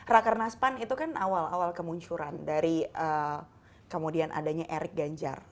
rakernas pan itu kan awal awal kemuncuran dari kemudian adanya erik ganjar